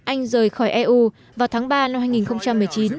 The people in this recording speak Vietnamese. anh rời khỏi eu vào tháng ba năm hai nghìn một mươi chín